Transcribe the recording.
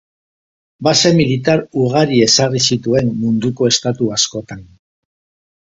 Base militar ugari ezarri zituen munduko estatu askotan.